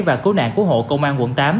và cố nạn cố hộ công an quận tám